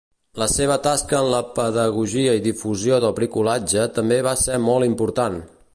La seva tasca en la pedagogia i difusió del bricolatge també va ser molt important.